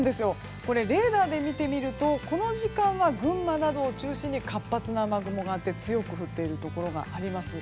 レーダーで見てみるとこの時間は群馬などを中心に活発な雨雲があって強く降っているところがあります。